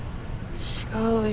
違うよ。